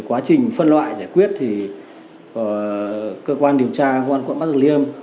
quá trình phân loại giải quyết thì cơ quan điều tra công an quận bắc tử liêm